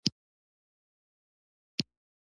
زده کوونکي د عددونو تمرین هم کاوه.